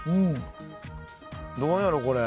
どこやろこれ。